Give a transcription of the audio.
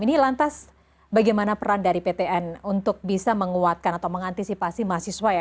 ini lantas bagaimana peran dari ptn untuk bisa menguatkan atau mengantisipasi mahasiswa ya